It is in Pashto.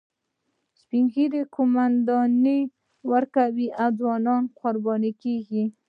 سپین ږیري قومانده ورکوي او ځوانان قرباني کیږي